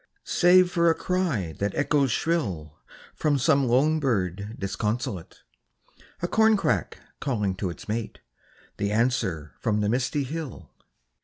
Save for a cry that echoes shrill From some lone bird disconsolate; A corncrake calling to its mate; The answer from the misty hill.